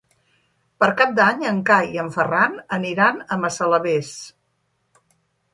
Per Cap d'Any en Cai i en Ferran aniran a Massalavés.